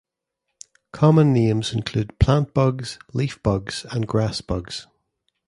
Common names include plant bugs, leaf bugs, and grass bugs.